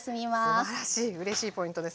すばらしいうれしいポイントですね。